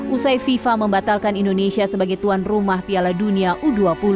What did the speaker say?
usai fifa membatalkan indonesia sebagai tuan rumah piala dunia u dua puluh